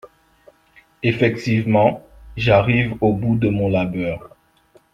Effectivement, j'arrive au bout de mon labeur